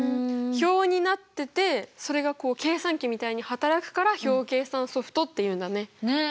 表になっててそれがこう計算機みたいに働くから表計算ソフトっていうんだね。